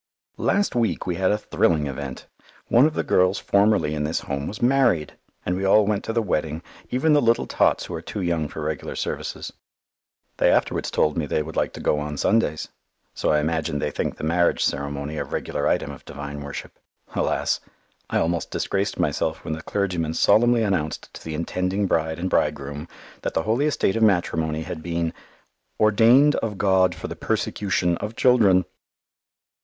Last week we had a thrilling event; one of the girls formerly in this Home was married, and we all went to the wedding, even the little tots who are too young for regular services. They afterwards told me they would like to go on Sundays, so I imagine they think the marriage ceremony a regular item of Divine worship. Alas! I almost disgraced myself when the clergyman solemnly announced to the intending bride and bridegroom that the holy estate of matrimony had been "ordained of God for the persecution of children"!